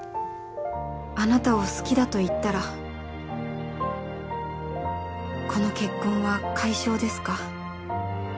あなたを好きだと言ったらこの結婚は解消ですか？